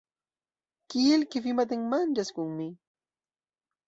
Kiel, ke vi matenmanĝas kun mi?